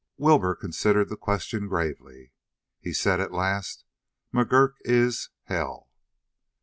Wilbur considered the question gravely. He said at last: "McGurk is hell!"